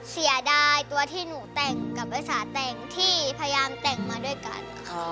เสียดายตัวที่หนูแต่งกับภาษาแต่งที่พยายามแต่งมาด้วยกัน